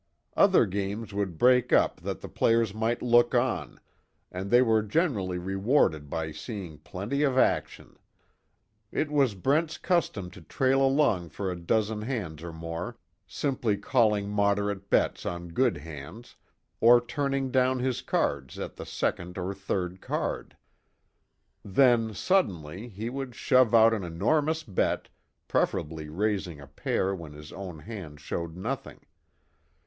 Other games would break up that the players might look on, and they were generally rewarded by seeing plenty of action. It was Brent's custom to trail along for a dozen hands or more, simply calling moderate bets on good hands, or turning down his cards at the second or third card. Then, suddenly, he would shove out an enormous bet, preferably raising a pair when his own hand showed nothing.